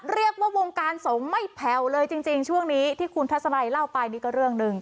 เรียกว่าวงการสงฆ์ไม่แผ่วเลยจริงช่วงนี้ที่คุณทัศนัยเล่าไปนี่ก็เรื่องหนึ่ง